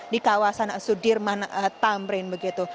di kawasan sudirman tamrin begitu